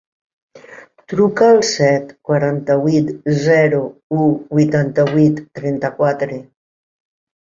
Truca al set, quaranta-vuit, zero, u, vuitanta-vuit, trenta-quatre.